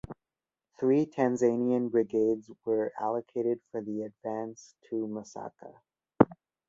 Three Tanzanian brigades were allocated for the advance to Masaka.